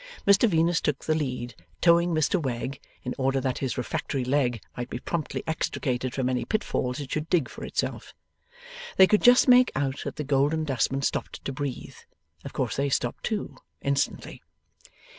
Mr Venus took the lead, towing Mr Wegg, in order that his refractory leg might be promptly extricated from any pitfalls it should dig for itself. They could just make out that the Golden Dustman stopped to breathe. Of course they stopped too, instantly.